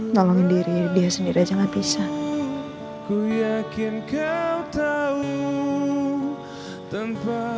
nolong diri dia sendiri aja gak bisa